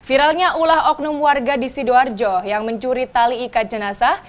viralnya ulah oknum warga di sidoarjo yang mencuri tali ikat jenazah